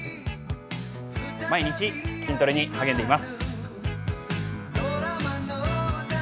毎日、筋トレに励んでいます。